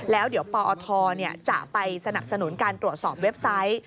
แล้วเดี๋ยวปอทจะไปสนับสนุนการตรวจสอบเว็บไซต์